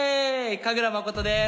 神楽誠です。